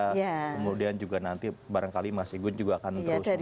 kemudian juga nanti barangkali mas igun juga akan terus